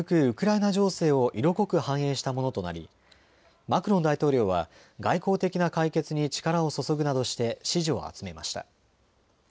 ウクライナ情勢を色濃く反映したものとなりマクロン大統領は外交的な解決に力を注ぐなどして支持を集めました。